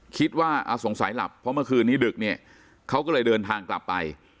คิดว่าสงสัยหลับเพราะเมื่อคืนนี้ดึกเนี่ยเขาก็เลยเดินทางกลับไป